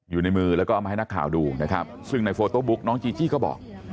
อยู่ในมือแล้วก็เอามาให้นักข่าวดูนะครับซึ่งในโฟโต้บุ๊กน้องจีจี้ก็บอก